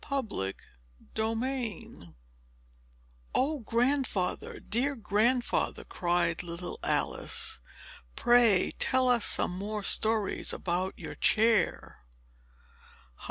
PART II Chapter I "O Grandfather," dear Grandfather, cried little Alice, "pray tell us some more stories about your chair!"